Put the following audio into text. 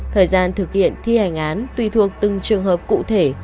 thời gian thực hiện thi hành án tùy thuộc từng trường hợp cụ thể